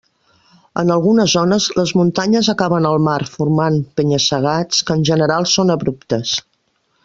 En algunes zones les muntanyes acaben al mar formant penya-segats, que en general són abruptes.